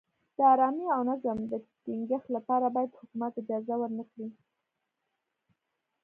د ارامۍ او نظم د ټینګښت لپاره باید حکومت اجازه ورنه کړي.